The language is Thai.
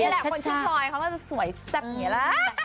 นี่แหละคนชื่อลอยเขาจะสวยแซ่บอย่างนี้ละ